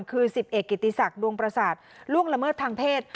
คือ๑๐เอกกิติศักดิ์ดวงประสาทล่วงละเมิดทางเพศ